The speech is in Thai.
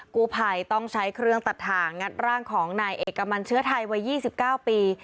กู้ภัยต้องใช้เครื่องตัดถ่างงัดร่างของนายเอกมันเชื้อไทยวัย๒๙ปี